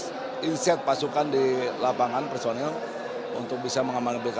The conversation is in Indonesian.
sudah semua kita isek pasukan di lapangan personel untuk bisa mengamankan pilkada